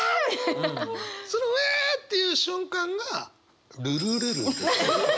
その「うわあ！」っていう瞬間が「ルルルルル」。